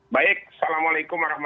baik assalamualaikum wr wb